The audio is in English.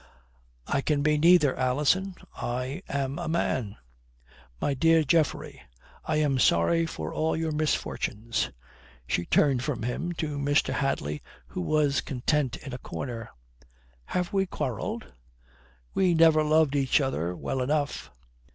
"I can be neither, Alison. I am a man." "My dear Geoffrey, I am sorry for all your misfortunes." She turned from him to Mr. Hadley, who was content in a corner. "Have we quarrelled?" "We never loved each other well enough."